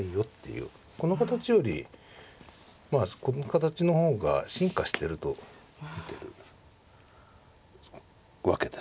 この形よりまあこの形の方が進化してると見てるわけです。